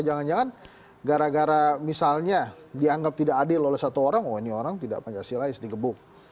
jangan jangan gara gara misalnya dianggap tidak adil oleh satu orang oh ini orang tidak pancasilais digebuk